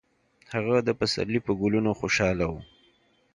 هغه د پسرلي په ګلونو خوشحاله و.